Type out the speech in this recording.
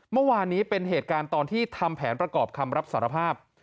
เมื่อวานนี้เป็นเหตุการณ์ตอนที่ทำแผนประกอบคำรับสารภาพ